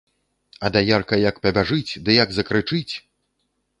А даярка як пабяжыць ды як закрычыць.